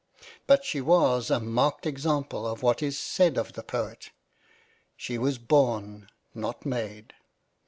But she was a marked example of what is said of the poet ; she was born, not made.